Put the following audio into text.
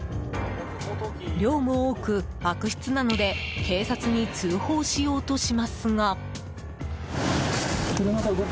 量も多く、悪質なので警察に通報しようとしますが。